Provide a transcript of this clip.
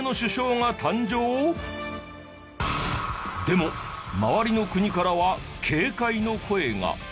でも周りの国からは警戒の声が。